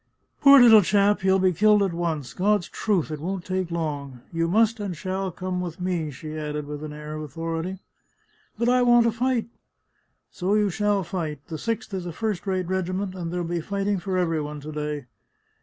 " Poor little chap, he'll be killed at once ! God's truth, it won't take long ! You must and shall come with me," she added with an air of authority. " But I want to fight." " So you shall fight ! The Sixth is a first rate regiment, and there'll be fighting for every one to day."